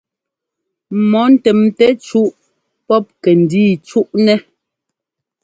Mɔ ntɛmtɛ́ cúʼ pɔp kɛ́ndíi cúʼnɛ́.